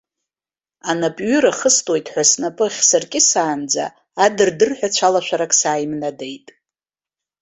Анапҩыра хыстуеит ҳәа снапы ахьсыркьысаанӡа, адырдырҳәа цәалашәарак сааимнадеит.